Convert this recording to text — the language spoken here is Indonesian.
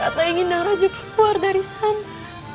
karena ingin nara juga keluar dari sana